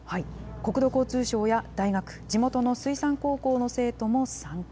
国土交通省や大学、地元の水産高校の生徒も参加。